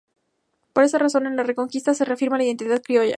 Por esa razón en la Reconquista se reafirma la identidad criolla.